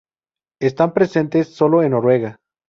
Están presentes solo en Noruega.